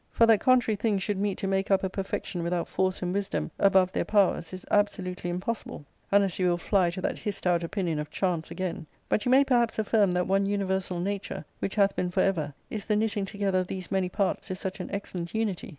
For that contrary things should meet to make up a perfection without force and wisdom above their powers is absolutely impossible ; unless you will fly to that hissed out opinion of chance again. But you may perhaps affirm that one universal nature, which hath been for ever, is the knitting together of these many parts to such an excellent unity.